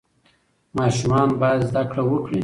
ماشومان باید زده کړه وکړي.